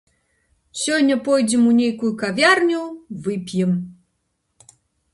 Сёння пойдзем у нейкую кавярню вып'ем.